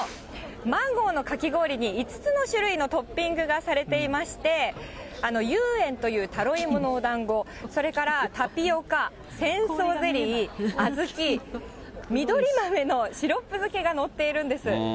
マンゴーのかき氷に５つの種類のトッピングがされていまして、ユウエンというタロイモのおだんご、それからタピオカ、せんそうゼリー、小豆、みどり豆のシロップ漬けが載っているんです。